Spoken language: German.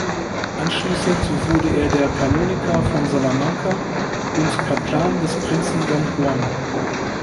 Anschließend wurde er der Kanoniker von Salamanca und Kaplan des Prinzen Don Juan.